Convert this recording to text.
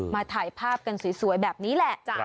ถ่ายภาพกันสวยแบบนี้แหละ